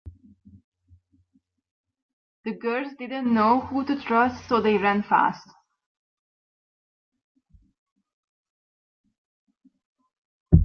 The girls didn’t know who to trust so they ran fast.